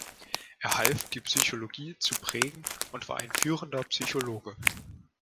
Er half, die Psychologie zu prägen, und war ein führender Psychologe.